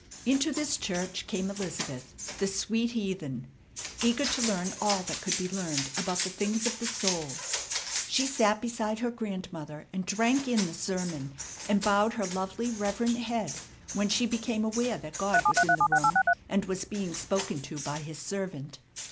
Into this church came Elizabeth, the sweet heathen, eager to learn all that could be learned about the things of the soul. She sat beside her grandmother, and drank in the sermon, and bowed her lovely, reverent head when she became aware that God was in the room and was being spoken to by His servant.